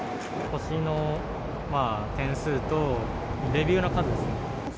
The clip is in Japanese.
星の点数と、レビューの数ですね。